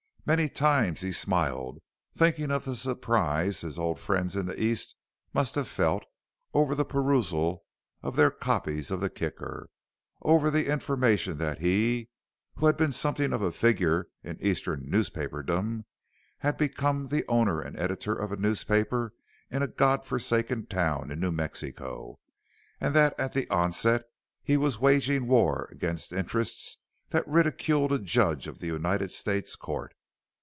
Many times he smiled, thinking of the surprise his old friends in the East must have felt over the perusal of their copies of the Kicker; over the information that he who had been something of a figure in Eastern newspaperdom had become the owner and editor of a newspaper in a God forsaken town in New Mexico, and that at the outset he was waging war against interests that ridiculed a judge of the United States Court.